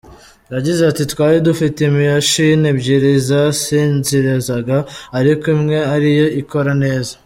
Yagize ati “Twari dufite imashini ebyiri zasinzirizaga ariko imwe ari yo ikora neza.